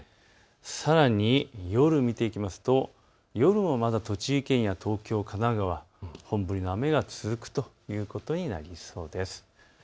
さらに夜を見ていきますと夜もまだ栃木県や東京、神奈川、本降りの雨が続くということになりそうです。